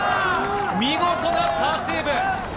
見事なパーセーブ！